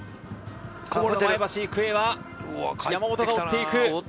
前橋育英は山本が追っていく。